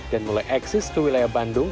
dan mulai eksis ke wilayah bandung